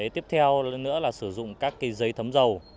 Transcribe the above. tiếp theo nữa là sử dụng các giấy thấm dầu